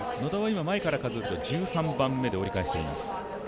野田は前から数えると１３番目で折り返しています。